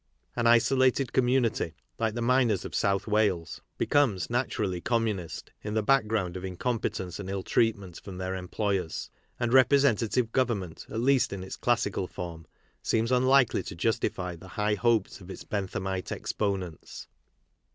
An isolated community like the miners of South Wales becomes, naturally, commun ist in the background of incompetence and ill treatment from their employers. And representative government, at least in its classical form, seems unlikely to justify the high hopes of its Benthamite exponents.